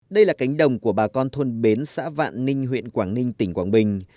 đây là cánh đồng của bà con thôn bến xã vạn ninh huyện quảng ninh tỉnh quảng bình